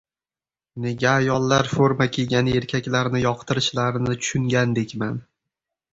Nega ayollar forma kiygan erkaklarni yoqtirishlarini tushungandekman.